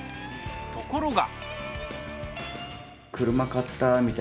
ところが。